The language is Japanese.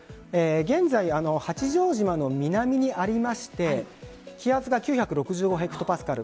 現在、八丈島の南にありまして気圧が９６５ヘクトパスカル。